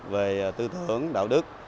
về tư tưởng đạo đức